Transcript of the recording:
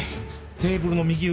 テーブルの右上